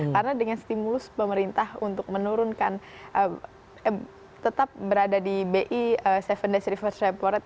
karena dengan stimulus pemerintah untuk menurunkan tetap berada di bi tujuh days reverse repo rate